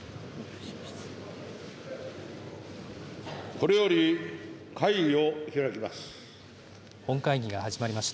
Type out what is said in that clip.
これより会議を開きます。